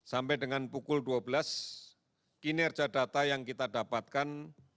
sampai dengan pukul dua belas kinerja data yang kita dapatkan